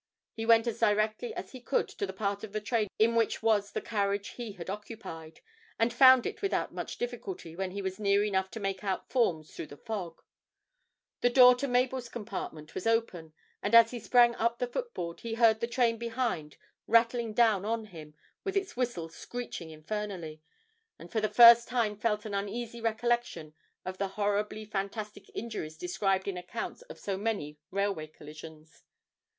He went as directly as he could to the part of the train in which was the carriage he had occupied, and found it without much difficulty when he was near enough to make out forms through the fog; the door of Mabel's compartment was open, and, as he sprang up the footboard, he heard the train behind rattling down on him with its whistle screeching infernally, and for the first time felt an uneasy recollection of the horribly fantastic injuries described in accounts of so many railway collisions.